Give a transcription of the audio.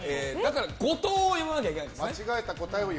誤答を言わなきゃいけないんです。